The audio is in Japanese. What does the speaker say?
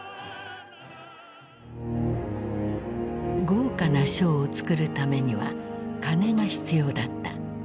豪華なショーを作るためには金が必要だった。